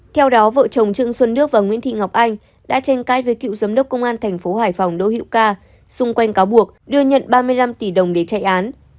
theo đó vợ chồng trương xuân đước và nguyễn thị ngọc anh đã tranh cãi với cựu giám đốc công an thành phố hải phòng đỗ hữu ca xung quanh cáo buộc đưa nhận ba mươi năm tỷ đồng để trại án